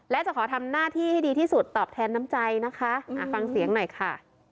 และจะขอทำหน้าที่ให้ดีที่สุดตอบแทนน้ำใจนะคะฟังเสียงหน่อยค่ะ